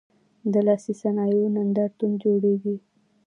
د لاسي صنایعو نندارتونونه جوړیږي؟